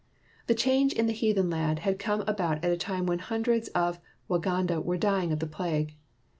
The change in the heathen lad had come about at a time when hundreds of Waganda were dying of the plague.